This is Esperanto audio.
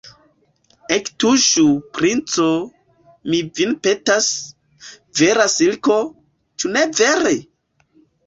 Ektuŝu, princo, mi vin petas, vera silko, ĉu ne vere?